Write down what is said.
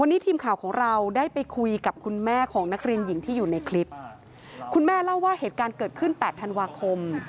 วันนี้ทีมข่าวของเราได้ไปคุยกับคุณแม่ของนักเรียนหญิงที่อยู่ในคลิปคุณแม่เล่าว่าเหตุการณ์เกิดขึ้นแปดธันวาคม